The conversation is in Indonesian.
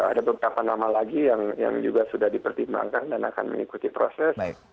ada beberapa nama lagi yang juga sudah dipertimbangkan dan akan mengikuti proses